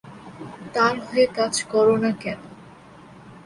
তার হয়ে কাজ করো না কেন?